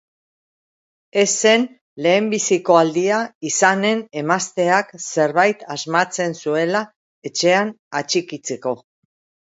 Ez zen lehenbiziko aldia izanen emazteak zerbait asmatzen zuela etxean atxikitzeko.